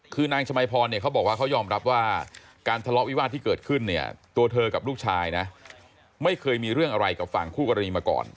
คือนางชมัยพรเนี่ยเขาบอกว่าเขายอมรับว่าการทะเลาะวิวาสที่เกิดขึ้นเนี่ยตัวเธอกับลูกชายนะไม่เคยมีเรื่องอะไรกับฝั่งคู่กรณีมาก่อน